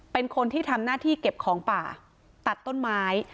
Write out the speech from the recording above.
เป็นคนที่ทำหน้าที่เก็บของป่าตัดต้นไม้